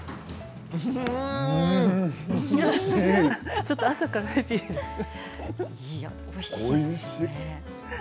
ちょっと朝からヘビーですね。